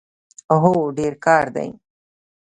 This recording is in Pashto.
هو، ډیر کار دی